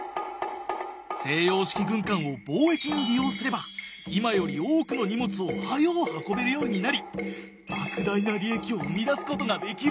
西洋式軍艦を貿易に利用すれば今より多くの荷物を早お運べるようになり莫大な利益を生み出すことができる！